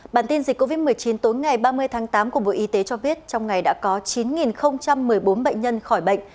bản tin dịch covid một mươi chín tối ngày ba mươi tháng tám của bộ y tế cho biết trong ngày đã có chín một mươi bốn bệnh nhân khỏi bệnh